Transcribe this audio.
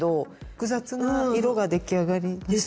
複雑な色が出来上がりましたよね。